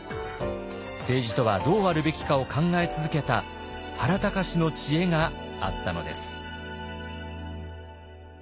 政治とはどうあるべきかを考え続けた原敬の知恵があったのです。